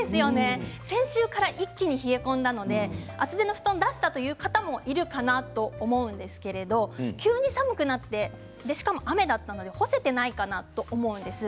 先週から一気に冷え込んだので厚手の布団を出したという方いるかと思うんですけれど急に寒くなってしかも雨だったので干せていないかなと思うんです。